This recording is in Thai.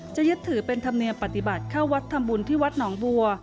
ยึดถือเป็นธรรมเนียมปฏิบัติเข้าวัดทำบุญที่วัดหนองบัว